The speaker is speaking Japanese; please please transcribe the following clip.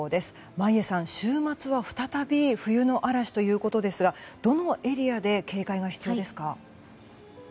眞家さん、週末は再び冬の嵐ということですがどのエリアで警戒が必要ですか？